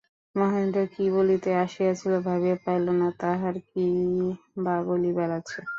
মহেন্দ্র কী বলিতে আসিয়াছিল, ভাবিয়া পাইল না, তাহার কীই বা বলিবার আছে।